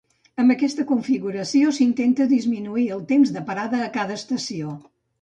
Amb aquesta configuració s'intenta disminuir el temps de parada a cada estació.